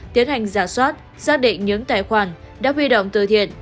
tiến hành giả soát xác định những tài khoản đã huy động từ thiện